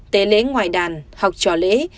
tế lễ ngoài đàn học trò lễ